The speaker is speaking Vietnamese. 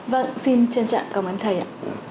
vâng xin trân trạng cảm ơn thầy ạ